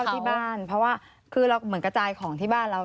ที่บ้านเพราะว่าคือเราเหมือนกระจายของที่บ้านเรา